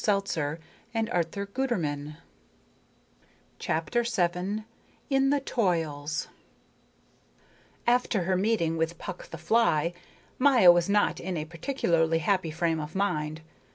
CHAPTER VII IN THE TOILS After her meeting with Puck the fly Maya was not in a particularly happy frame of mind.